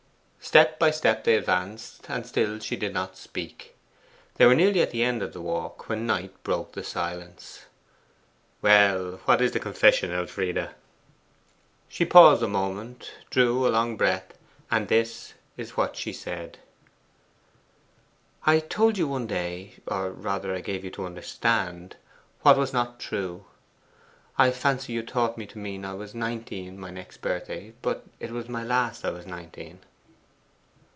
Step by step they advanced, and still she did not speak. They were nearly at the end of the walk, when Knight broke the silence. 'Well, what is the confession, Elfride?' She paused a moment, drew a long breath; and this is what she said: 'I told you one day or rather I gave you to understand what was not true. I fancy you thought me to mean I was nineteen my next birthday, but it was my last I was nineteen.